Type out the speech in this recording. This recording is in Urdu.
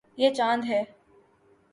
یے چاند ہے